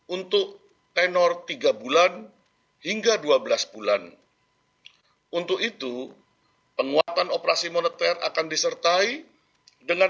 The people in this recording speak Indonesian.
untuk tenor tiga bulan hingga dua belas bulan untuk itu penguatan operasi moneter akan disertai dengan